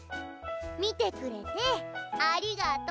見てくれてありがとう。